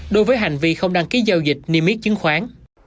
đối với hành vi không đăng ký giao dịch niêm yết chứng khoán